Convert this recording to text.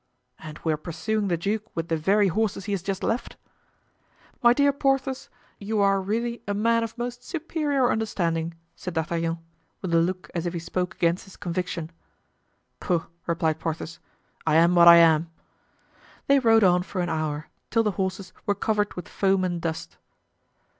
"And we are pursuing the duke with the very horses he has just left?" "My dear Porthos, you are really a man of most superior understanding," said D'Artagnan, with a look as if he spoke against his conviction. "Pooh!" replied Porthos, "I am what I am." They rode on for an hour, till the horses were covered with foam and dust.